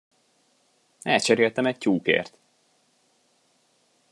Elcseréltem egy tyúkért!